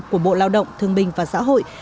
của bộ lao động thương bình và xã hội